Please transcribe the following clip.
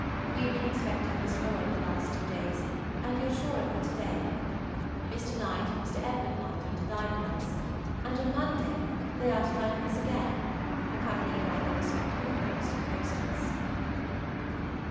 We have been expecting Miss Lloyd the last two days, and feel sure of her to day. Mr. Knight and Mr. Edwd. Knight are to dine with us, and on Monday they are to dine with us again, accompanied by their respectable host and hostess.